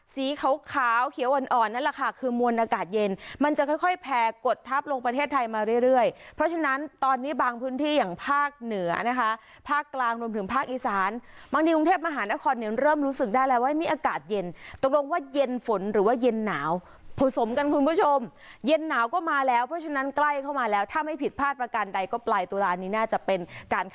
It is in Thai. สีขาวขาวเขียวอ่อนอ่อนนั่นแหละค่ะคือมวลอากาศเย็นมันจะค่อยค่อยแพร่กดทับลงประเทศไทยมาเรื่อยเรื่อยเพราะฉะนั้นตอนนี้บางพื้นที่อย่างภาคเหนือนะคะภาคกลางรวมถึงภาคอีสานบางทีกรุงเทพมหานครเริ่มรู้สึกได้แล้วว่ามีอากาศเย็นตกลงว่าเย็นฝนหรือว่าเย็นหนาวผสมกันคุณผู้ชมเย็นหนา